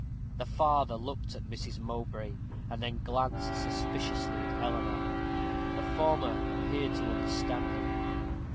The father looked at Mrs. Mowbray, and then glanced suspiciously at Eleanor. The former appeared to understand him.